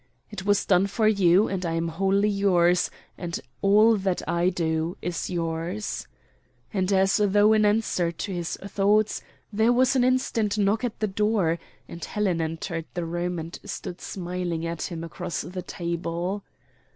It was done for you, and I am wholly yours, and all that I do is yours." And, as though in answer to his thoughts, there was an instant knock at the door, and Helen entered the room and stood smiling at him across the table.